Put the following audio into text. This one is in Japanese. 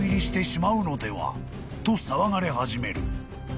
［と騒がれ始める］